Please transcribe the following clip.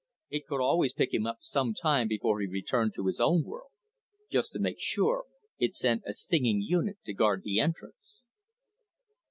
It could always pick him up some time before he returned to his own world. Just to make sure, it sent a stinging unit to guard the entrance.